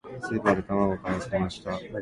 スーパーで卵を買い忘れました。